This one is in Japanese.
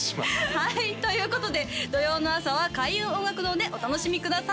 はいということで土曜の朝は開運音楽堂でお楽しみください